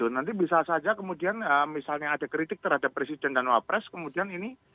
nanti bisa saja kemudian misalnya ada kritik terhadap presiden dan wakil presiden